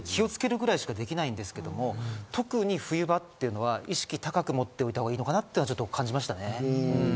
なので気をつけるぐらいしかできないですけど、特に冬場というのは意識高く持っておいたほうがいいのかなと感じましたね。